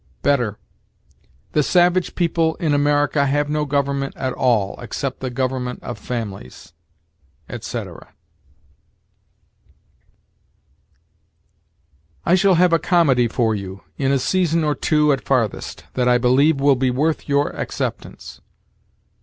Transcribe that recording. Better: "The savage people ... in America have no government at all, except the government of families," etc. "I shall have a comedy for you, in a season or two at farthest, that I believe will be worth your acceptance."